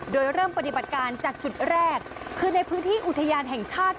โดยเริ่มปฏิบัติการจากจุดแรกคือในพื้นที่อุทยานแห่งชาติ